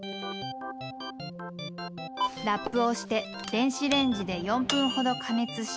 ラップをして電子レンジで４分ほど加熱した